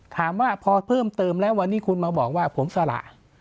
ถามว่าพอเพิ่มเติมแล้ววันนี้คุณมาบอกว่าผมสละ